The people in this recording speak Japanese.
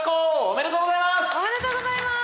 おめでとうございます。